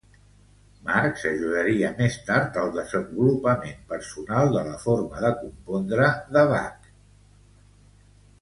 Marx ajudaria més tard al desenvolupament personal de la forma de compondre de Bach.